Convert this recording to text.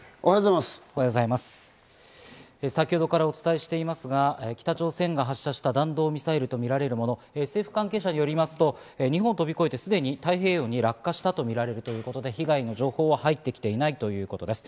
先ほどからお伝えしていますが、北朝鮮が発射した弾道ミサイルとみられるもの、政府関係者によりますと、日本を飛び越えて、すでに太平洋に落下したとみられるということで、被害の情報は入ってきていないということです。